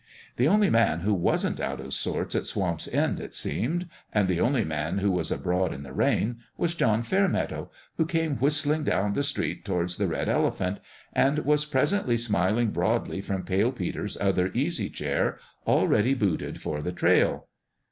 The only man who wasn't out of sorts at Swamp's End, it seemed and the only man who was abroad in the rain was John Fair meadow, who came whistling down the street towards the Red Elephant and was presently smiling broadly from Pale Peter's other easy chair, already booted for the trail.